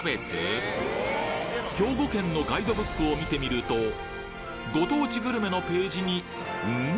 兵庫県のガイドブックを見てみるとご当地グルメのページにんん？